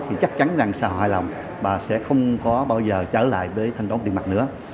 thì chắc chắn rằng sẽ hài lòng và sẽ không có bao giờ trở lại với thanh toán tiền mặt nữa